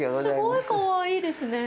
すごいかわいいですね。